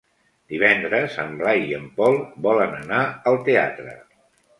Divendres en Blai i en Pol volen anar al teatre.